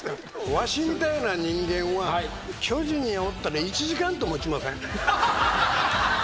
わしみたいな人間は巨人におったら１時間と持ちません。